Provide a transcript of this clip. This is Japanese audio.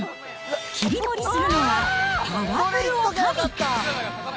切り盛りするのはパワフルおかみ。